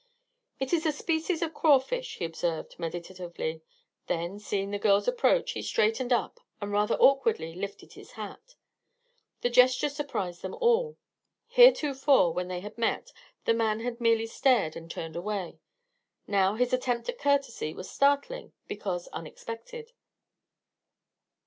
"It is a species of crawfish," he observed, meditatively. Then, seeing the girls approach, he straightened up and rather awkwardly lifted his hat. The gesture surprised them all. Heretofore, when they had met, the man had merely stared and turned away, now his attempt at courtesy was startling because unexpected.